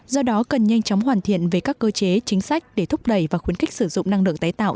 do đó cần nhanh chóng hoàn thiện về các cơ chế chính sách để thúc đẩy và khuyến khích sử dụng năng lượng tái tạo